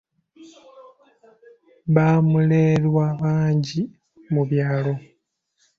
Bamulerwa bangi mu byalo.